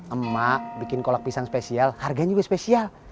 emak bikin kolak pisang spesial harganya juga spesial